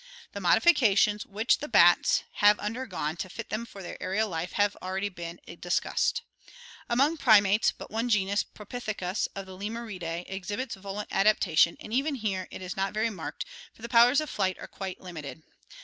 The modifications which the bats have undergone to fit them for their aerial life have already been discussed. Among primates, but one genus, Propithecus of the Lemurida?, exhibits volant adaptation and even here it is not very marked, for the powers of flight are quite limited.